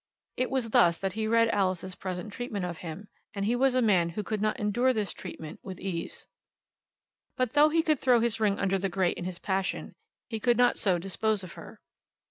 It was thus that he read Alice's present treatment of him, and he was a man who could not endure this treatment with ease. But though he could throw his ring under the grate in his passion, he could not so dispose of her.